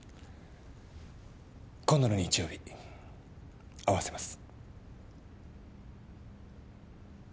今度の日曜日会わせます。